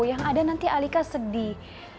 yang ada nanti alika sedih